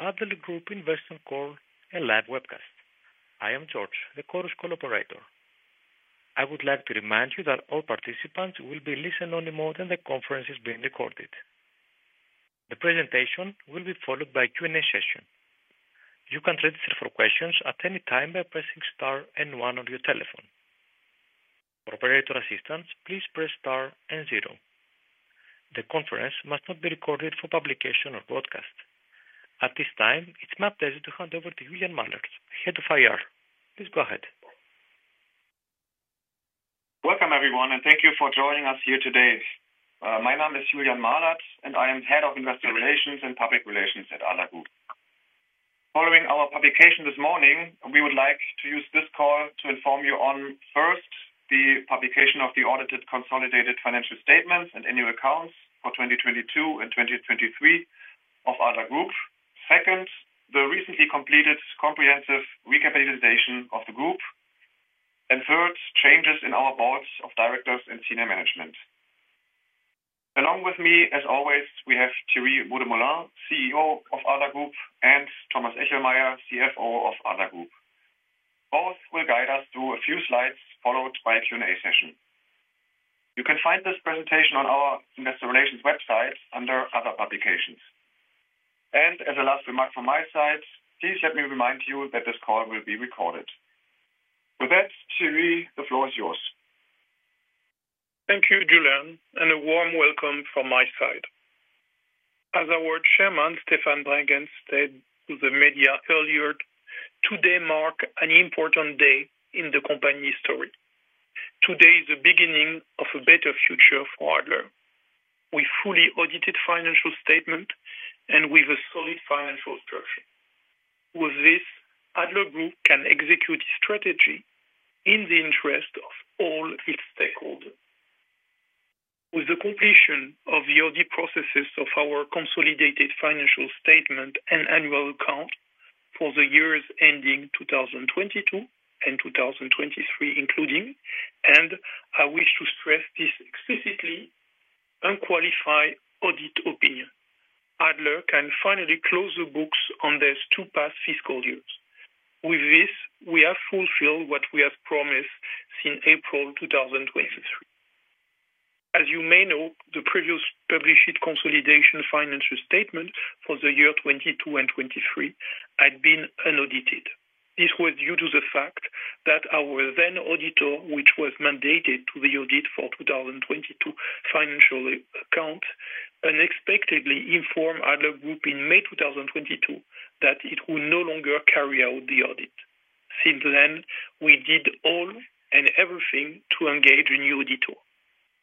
Adler Group investor call and live webcast. I am George, the Chorus Call operator. I would like to remind you that all participants will be in listen-only mode and the conference is being recorded. The presentation will be followed by a Q&A session. You can register for questions at any time by pressing star and one on your telephone. For operator assistance, please press star and zero. The conference must not be recorded for publication or broadcast. At this time, it's my pleasure to hand over to Julian Mahlert, head of IR. Please go ahead. Welcome, everyone, and thank you for joining us here today. My name is Julian Mahlert, and I am Head of Investor Relations and Public Relations at Adler Group. Following our publication this morning, we would like to use this call to inform you on, first, the publication of the audited consolidated financial statements and annual accounts for 2022 and 2023 of Adler Group. Second, the recently completed comprehensive recapitalization of the group, and third, changes in our boards of directors and senior management. Along with me, as always, we have Thierry Beaudemoulin, CEO of Adler Group, and Thomas Echelmeyer, CFO of Adler Group. Both will guide us through a few slides, followed by a Q&A session. You can find this presentation on our investor relations website under Adler Publications. As a last remark from my side, please let me remind you that this call will be recorded. With that, Thierry, the floor is yours. Thank you, Julian, and a warm welcome from my side. As our chairman, Stefan Brendgen, said to the media earlier, today marks an important day in the company's story. Today is the beginning of a better future for Adler. We fully audited financial statement and with a solid financial structure. With this, Adler Group can execute strategy in the interest of all its stakeholders. With the completion of the audit processes of our consolidated financial statement and annual account for the years ending 2022 and 2023 including, and I wish to stress this explicitly, unqualified audit opinion. Adler can finally close the books on these two past fiscal years. With this, we have fulfilled what we have promised since April 2023. As you may know, the previous published consolidated financial statement for the years 2022 and 2023 had been unaudited. This was due to the fact that our then auditor, which was mandated to the audit for 2022 financial account, unexpectedly informed Adler Group in May 2022, that it would no longer carry out the audit. Since then, we did all and everything to engage a new auditor.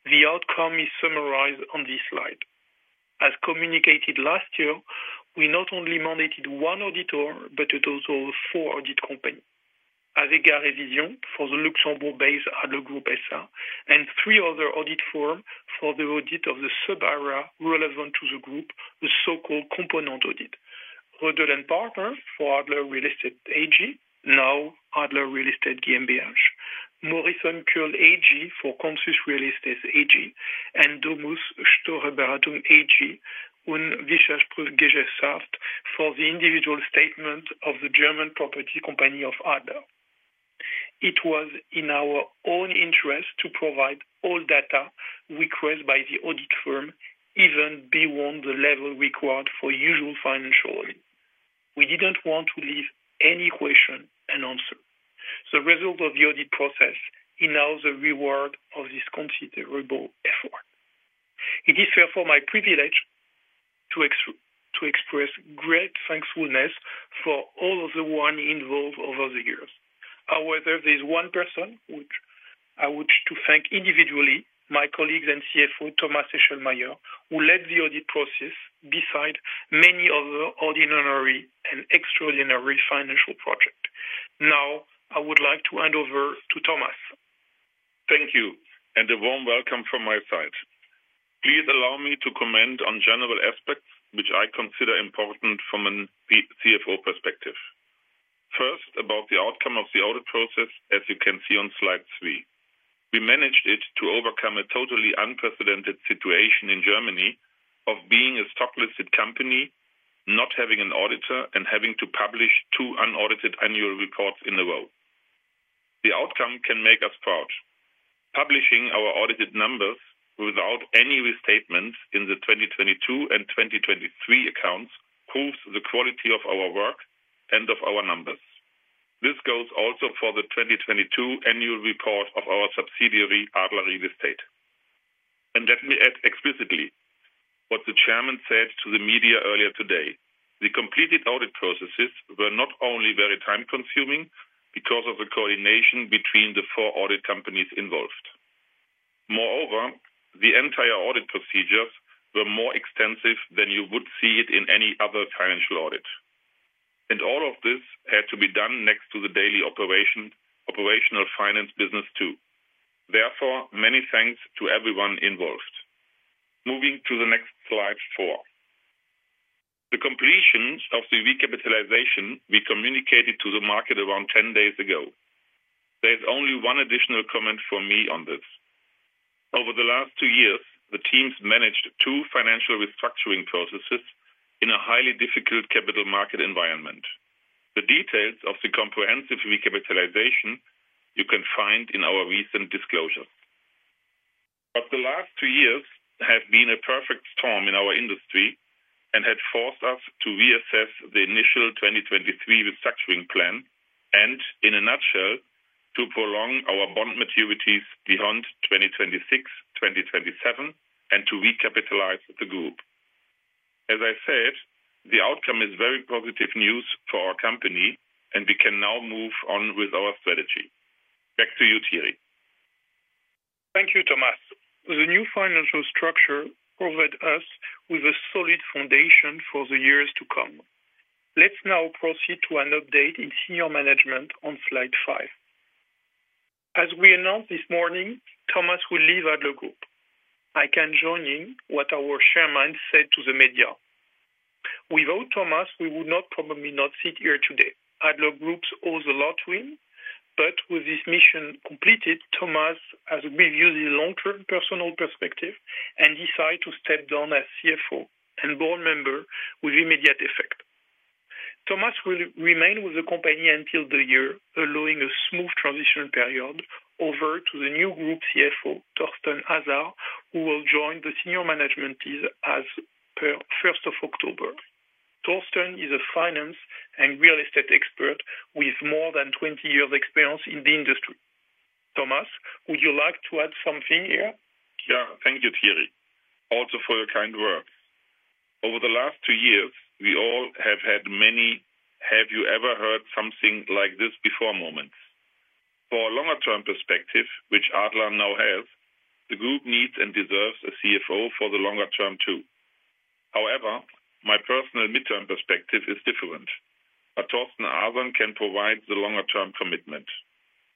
The outcome is summarized on this slide. As communicated last year, we not only mandated one auditor, but also four audit companies. Avega Revision for the Luxembourg-based Adler Group SA, and three other audit firms for the audit of the subsidiaries relevant to the group, the so-called component audit. Rödl & Partner for Adler Real Estate AG, now Adler Real Estate GmbH. Morison Köln AG for Consus Real Estate AG, and Domus Steuerberatung AG und Wirtschaftsprüfungsgesellschaft for the individual statement of the German property company of Adler. It was in our own interest to provide all data requested by the audit firm, even beyond the level required for usual financial audit. We didn't want to leave any question unanswered. The result of the audit process is now the reward of this considerable effort. It is therefore my privilege to express great thankfulness for all of those involved over the years. However, there's one person which I wish to thank individually, my colleague and CFO, Thomas Echelmeyer, who led the audit process besides many other ordinary and extraordinary financial projects. Now, I would like to hand over to Thomas. Thank you, and a warm welcome from my side. Please allow me to comment on general aspects, which I consider important from a CFO perspective. First, about the outcome of the audit process as you can see on slide three. We managed it to overcome a totally unprecedented situation in Germany of being a stock listed company, not having an auditor and having to publish two unaudited annual reports in a row. The outcome can make us proud. Publishing our audited numbers without any restatements in the 2022 and 2023 accounts proves the quality of our work and of our numbers. This goes also for the 2022 annual report of our subsidiary, Adler Real Estate. And let me add explicitly what the chairman said to the media earlier today: the completed audit processes were not only very time consuming because of the coordination between the four audit companies involved. Moreover, the entire audit procedures were more extensive than you would see it in any other financial audit. And all of this had to be done next to the daily operation, operational finance business, too. Therefore, many thanks to everyone involved. Moving to the next slide four. The completions of the recapitalization we communicated to the market around ten days ago. There's only one additional comment from me on this. Over the last two years, the teams managed two financial restructuring processes in a highly difficult capital market environment. The details of the comprehensive recapitalization you can find in our recent disclosure. But the last two years have been a perfect storm in our industry and had forced us to reassess the initial 2023 restructuring plan, and in a nutshell, to prolong our bond maturities beyond 2026, 2027, and to recapitalize the group. As I said, the outcome is very positive news for our company, and we can now move on with our strategy. Back to you, Thierry. Thank you, Thomas. The new financial structure provided us with a solid foundation for the years to come. Let's now proceed to an update in senior management on slide five. As we announced this morning, Thomas will leave Adler Group. I can join in what our chairman said to the media. Without Thomas, we would probably not sit here today. Adler Group owes a lot to him, but with this mission completed, Thomas has reviewed his long-term personal perspective, and he decided to step down as CFO and board member with immediate effect. Thomas will remain with the company until the year, allowing a smooth transition period over to the new group CFO, Thorsten Arsan, who will join the senior management team as per first of October. Thorsten is a finance and real estate expert with more than twenty years of experience in the industry. Thomas, would you like to add something here? Yeah, thank you, Thierry, also for your kind words. Over the last two years, we all have had many, "Have you ever heard something like this before?" moments. For a longer term perspective, which Adler now has, the group needs and deserves a CFO for the longer term, too. However, my personal midterm perspective is different, but Thorsten Arsan can provide the longer-term commitment.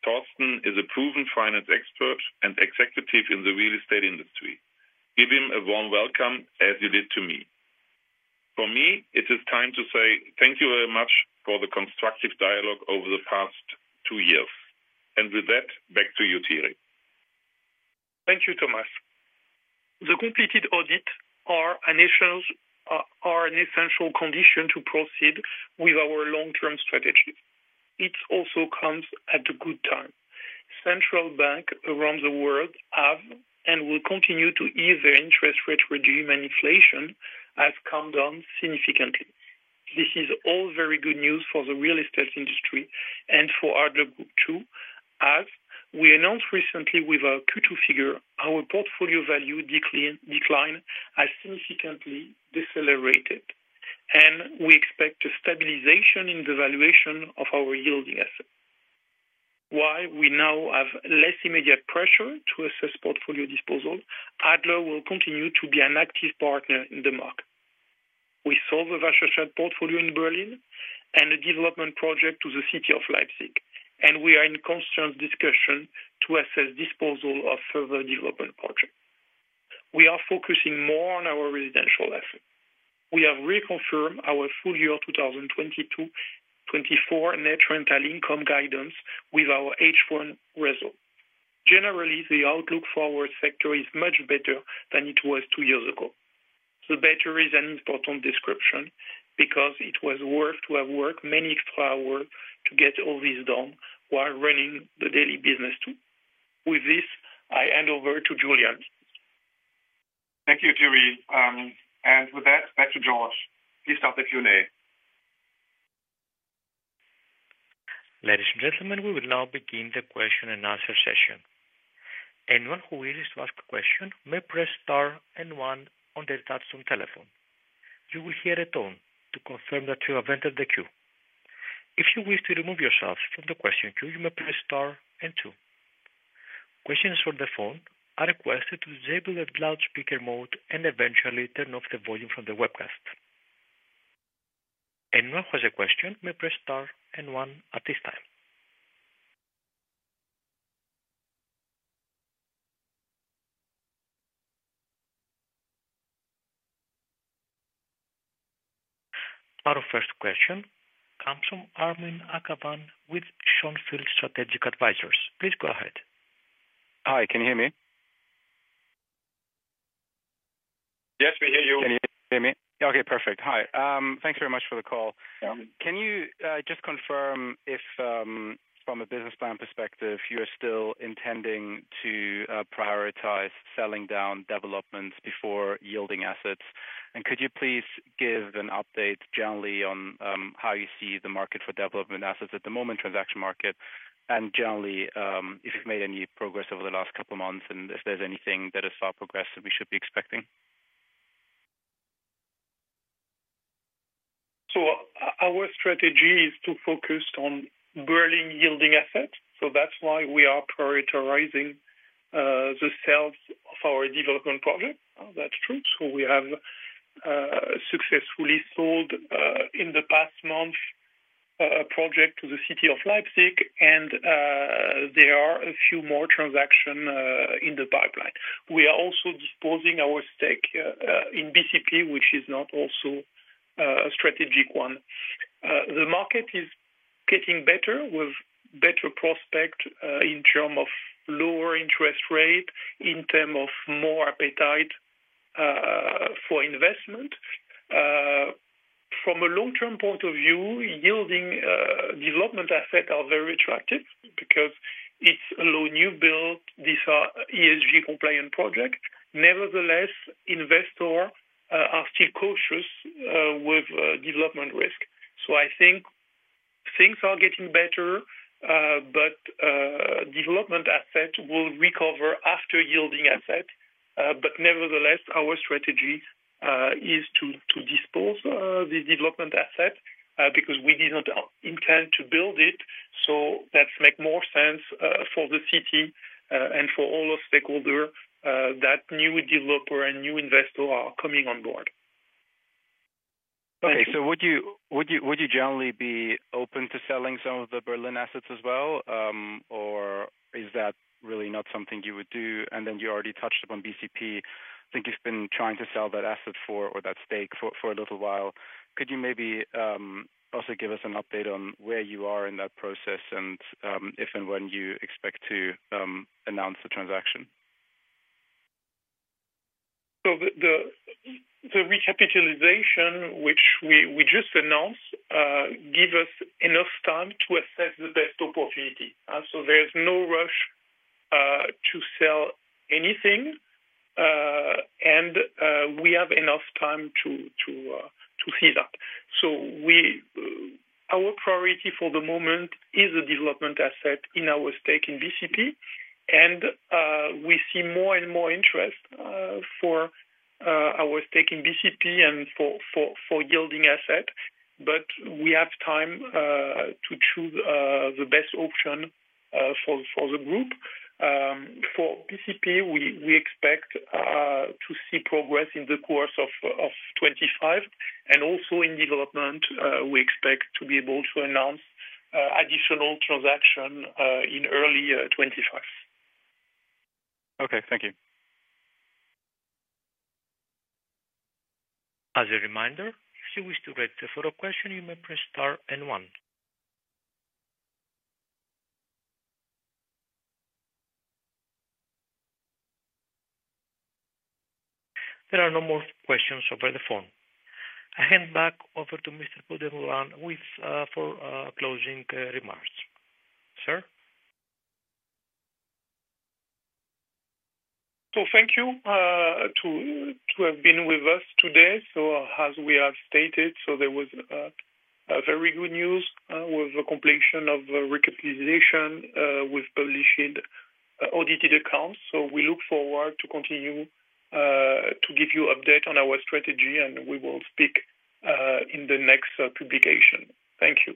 Thorsten is a proven finance expert and executive in the real estate industry. Give him a warm welcome, as you did to me. For me, it is time to say thank you very much for the constructive dialogue over the past two years. With that, back to you, Thierry. Thank you, Thomas. The completed audit are initials are an essential condition to proceed with our long-term strategy. It also comes at a good time. Central banks around the world have and will continue to ease their interest rates, and reducing inflation has come down significantly. This is all very good news for the real estate industry and for Adler Group, too. As we announced recently with our Q2 figures, our portfolio value decline has significantly decelerated, and we expect a stabilization in the valuation of our yielding assets. While we now have less immediate pressure to assess portfolio disposal, Adler will continue to be an active partner in the market. We sold the Wasserstadt portfolio in Berlin and a development project to the city of Leipzig, and we are in constant discussion to assess disposal of further development projects. We are focusing more on our residential assets. We have reconfirmed our full year 2022-2024 net rental income guidance with our H1 result. Generally, the outlook for the sector is much better than it was two years ago. Better is an important description because it was worth to have worked many extra hours to get all this done while running the daily business, too. With this, I hand over to Julian. Thank you, Thierry. And with that, back to George. Please start the Q&A. Ladies and gentlemen, we will now begin the question-and-answer session. Anyone who wishes to ask a question may press star and one on their touchtone telephone. You will hear a tone to confirm that you have entered the queue. If you wish to remove yourself from the question queue, you may press star and two. Questions from the phone are requested to disable the loudspeaker mode and eventually turn off the volume from the webcast. Anyone who has a question may press star and one at this time. Our first question comes from Armin Akhavan with Schonfeld Strategic Advisors. Please go ahead. Hi, can you hear me? Yes, we hear you. Can you hear me? Okay, perfect. Hi, thank you very much for the call. Yeah. Can you just confirm if, from a business plan perspective, you are still intending to prioritize selling down developments before yielding assets? And could you please give an update generally on how you see the market for development assets at the moment, transaction market, and generally, if you've made any progress over the last couple of months, and if there's anything that is saw progress that we should be expecting? So our strategy is to focus on building yielding assets. So that's why we are prioritizing the sales of our development projects. That's true. So we have successfully sold in the past month a project to the city of Leipzig, and there are a few more transactions in the pipeline. We are also disposing our stake in BCP, which is also not a strategic one. The market is getting better, with better prospects in terms of lower interest rates, in terms of more appetite for investment. From a long-term point of view, yielding development assets are very attractive because it's a low new build. These are ESG-compliant projects. Nevertheless, investors are still cautious with development risk. So I think things are getting better, but development assets will recover after yielding assets. But nevertheless, our strategy is to dispose the development asset because we did not intend to build it. So that make more sense for the city and for all our stakeholder that new developer and new investor are coming on board. Okay, so would you generally be open to selling some of the Berlin assets as well? Or is that really not something you would do? And then you already touched upon BCP. I think you've been trying to sell that asset or that stake for a little while. Could you maybe also give us an update on where you are in that process, and if and when you expect to announce the transaction? So the recapitalization, which we just announced, give us enough time to assess the best opportunity. So there's no rush to sell anything, and we have enough time to see that. Our priority for the moment is a development asset in our stake in BCP, and we see more and more interest for our stake in BCP and for yielding asset. But we have time to choose the best option for the group. For BCP, we expect to see progress in the course of 2025. And also in development, we expect to be able to announce additional transaction in early 2025. Okay. Thank you. As a reminder, if you wish to get a follow question, you may press star and one. There are no more questions over the phone. I hand back over to Mr. Beaudemoulin with closing remarks. Sir? So thank you to have been with us today. So as we have stated, there was a very good news with the completion of the recapitalization with published audited accounts. So we look forward to continue to give you update on our strategy, and we will speak in the next publication. Thank you.